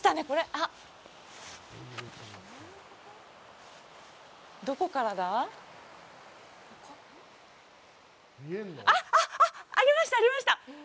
あっ、あっ、ありました、ありました！